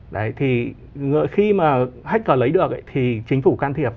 đấy thì khi mà hacker lấy được thì chính phủ can thiệp